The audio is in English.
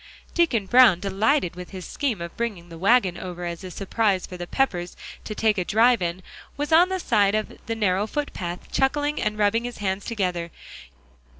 Deacon Brown, delighted with his scheme of bringing the wagon over as a surprise for the Peppers to take a drive in, was on the side of the narrow foot path, chuckling and rubbing his hands together.